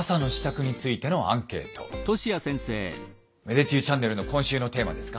芽出中チャンネルの今週のテーマですか？